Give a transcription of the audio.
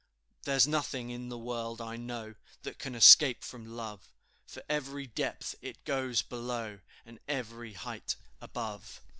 "There's nothing in the world, I know, That can escape from Love, For every depth it goes below, And every height above."